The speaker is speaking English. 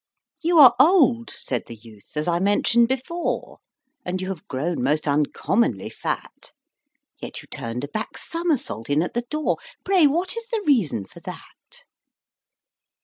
"You are old," said the youth, "as I mentioned before, And you have grown most uncommonly fat; Yet you turned a back somersault in at the door Pray what is the reason for that?"